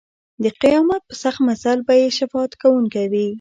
د قیامت په سخت منزل به یې شفاعت کوونکی وي.